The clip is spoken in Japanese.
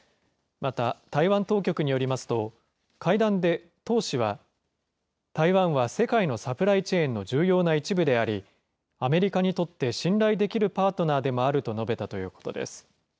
また台湾当局によりますと、会談でトウ氏は、台湾は世界のサプライチェーンの重要な一部であり、アメリカにとって信頼できるパートナーでもあると述べたということです。